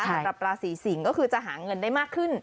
สำหรับราศีสิงศ์ก็คือจะหาเงินได้มากขึ้น